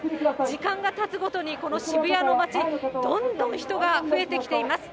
時間がたつごとに、この渋谷の街、どんどん人が増えてきています。